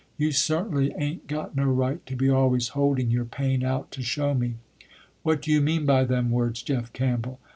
You certainly ain't got no right to be always holding your pain out to show me." "What do you mean by them words, Jeff Campbell."